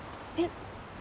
えっ。